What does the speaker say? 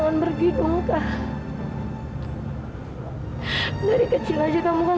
sampai jumpa di video selanjutnya